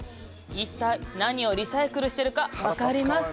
一体何をリサイクルしてるか分かりますか？